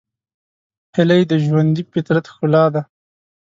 هیلۍ د ژوندي فطرت ښکلا ده